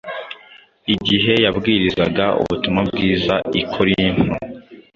Igihe yabwirizaga ubutumwa bwiza i Korinto,